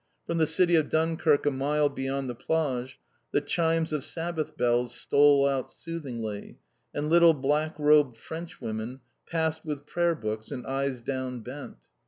From the city of Dunkirk a mile beyond the Plage the chimes of Sabbath bells stole out soothingly, and little black robed Frenchwomen passed with prayer books and eyes down bent.